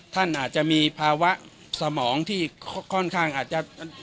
ท่านอาจจะมีภาวะสมองที่ค่อนข้างอาจจะ